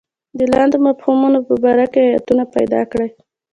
د لاندې مفهومونو په باره کې ایتونه پیدا کړئ.